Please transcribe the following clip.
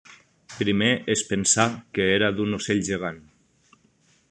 Primer es pensà que era d’un ocell gegant.